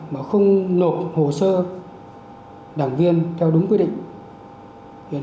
và tổ chức đảng đưa chuyển đến